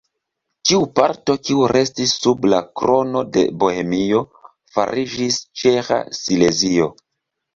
Tiu parto kiu restis sub la Krono de Bohemio fariĝis Ĉeĥa Silezio.